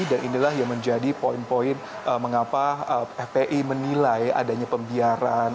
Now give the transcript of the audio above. dan inilah yang menjadi poin poin mengapa fpi menilai adanya pembiaran